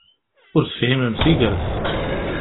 Ur tefhimem tigert!